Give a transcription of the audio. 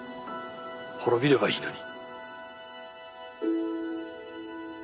滅びればいいのに。